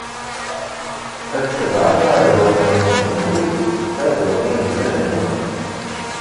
Ad tebɛem iɛdawen-nwen s ujenwi, ad ɣellin zdat-nwen.